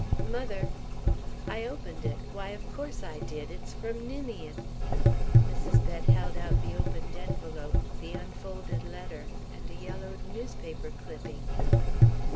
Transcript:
"Mother " "I opened it why, of course I did. It's from Ninian." Mrs. Bett held out the opened envelope, the unfolded letter, and a yellowed newspaper clipping.